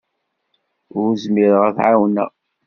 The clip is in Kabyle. Ur zmireɣ ad t-ɛawneɣ.